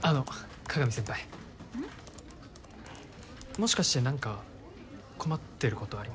もしかしてなんか困ってることあります？